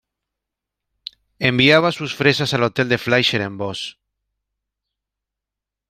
Enviaba sus fresas al hotel de Fleischer en Voss.